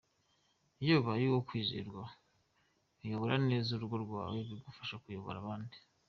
Iyo ubaye uwo kwizerwa ukayobora neza urugo rwawe bigufasha kuyobora abandi.